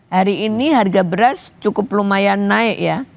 hari ini harga beras cukup lumayan naik ya